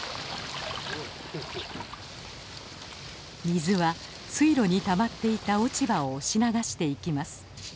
水は水路にたまっていた落ち葉を押し流していきます。